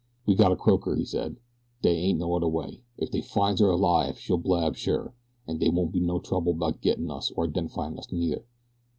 "We got to croak her," he said. "Dey ain't no udder way. If dey finds her alive she'll blab sure, an' dey won't be no trouble 'bout gettin' us or identifyin' us neither."